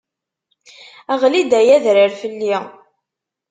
Ɣli-d ay adrar fell-i!